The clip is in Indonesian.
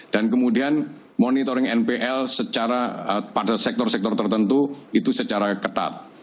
dan kemudian monitoring npl secara pada sektor sektor tertentu itu secara ketat